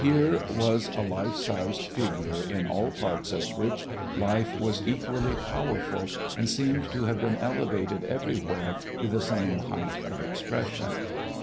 Here was a life sized figure in all parts of which life was equally powerful and seemed to have been elevated everywhere to the same height of expression.